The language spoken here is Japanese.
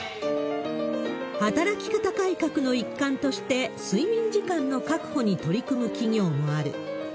働き方改革の一環として、睡眠時間の確保に取り組む企業もある。